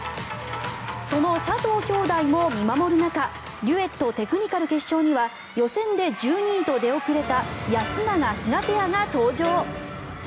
その佐藤姉弟も見守る中デュエット・テクニカル決勝には予選で１２位と出遅れた安永・比嘉ペアが登場。